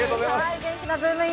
元気なズームイン！！